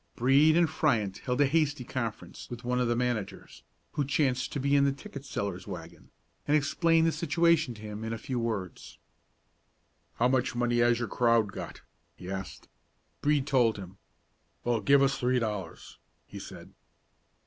Brede and Fryant held a hasty conference with one of the managers, who chanced to be in the ticket seller's wagon, and explained the situation to him in a few words. "How much money has your crowd got?" he asked. Brede told him. "Well, give us three dollars," he said.